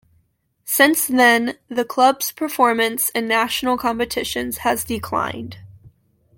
Since then the club's performance in national competitions has declined.